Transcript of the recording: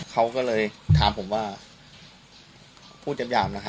เขาก็เลยถามผมว่าพูดหยาบนะครับ